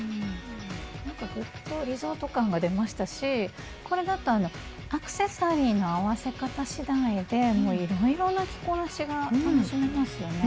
なんかグッとリゾート感が出ましたしこれだとアクセサリーの合わせ方しだいでいろいろな着こなしが楽しめますよね。